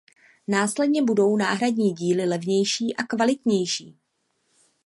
Následně budou náhradní díly levnější a kvalitnější.